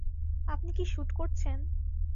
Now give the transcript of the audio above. আপনি কি শুট করছেন?